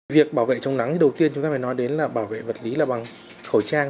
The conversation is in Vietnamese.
việc bảo vệ chống nắng thì đầu tiên chúng ta phải nói đến là bảo vệ vật lý là bằng khẩu trang